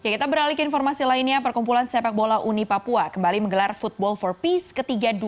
kita beralih ke informasi lainnya perkumpulan sepak bola uni papua kembali menggelar football for peace ke tiga dua ribu dua puluh